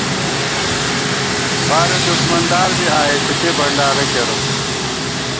فارے دُݭمندار بی آئیېس ، اِتے بنڈارہ کېرہ